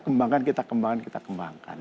kembangkan kita kembangkan kita kembangkan